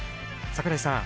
櫻井さん